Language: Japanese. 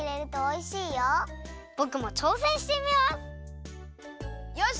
ぼくもちょうせんしてみます！